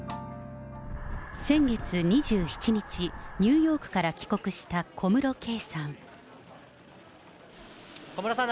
先月２７日、ニューヨークから帰国した小室圭さん。